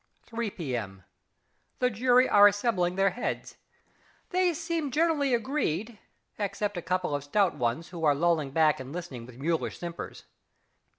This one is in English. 3 P.M. The jury are assembling their heads. They seem generally agreed except a couple of stout ones who are lolling back and listening with mulish simpers.